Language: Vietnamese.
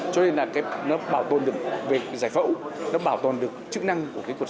cho nên là nó bảo tồn được giải phẫu nó bảo tồn được chức năng